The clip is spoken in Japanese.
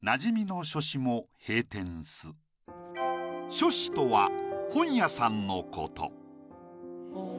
書肆とは本屋さんのこと。